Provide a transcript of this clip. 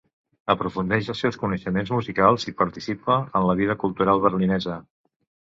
Aprofundeix els seus coneixements musicals i participa en la vida cultural berlinesa.